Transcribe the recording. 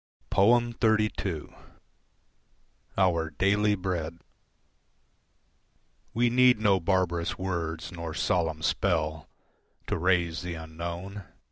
XXXII. "Our Daily Bread" We need no barbarous words nor solemn spell To raise the unknown.